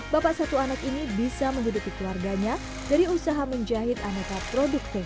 bapak satu anak ini bisa menghidupi keluarganya dari usaha menjahit aneka produk tekni